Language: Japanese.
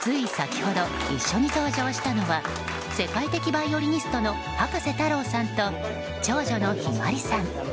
つい先ほど一緒に登場したのは世界的バイオリニストの葉加瀬太郎さんと長女の向日葵さん。